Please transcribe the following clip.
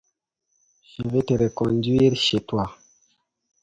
Je vais te reconduire chez toi.